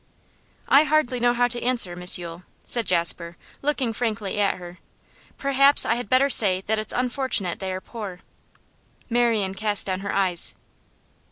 'I hardly know how to answer, Miss Yule,' said Jasper, looking frankly at her. 'Perhaps I had better say that it's unfortunate they are poor.' Marian cast down her eyes.